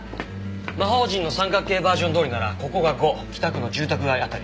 魔方陣の三角形バージョンどおりならここが５北区の住宅街あたり。